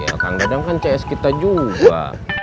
ya kang dadang kan cs kita juga